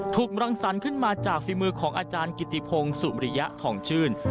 ถูกรังสรรค์ขึ้นมาจากฝีมือของอาจารย์กิติพงศุมริยะทองชื่น